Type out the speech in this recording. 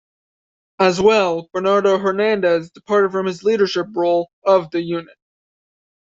As well, Bernardo Hernandez departed from his leadership role of the unit.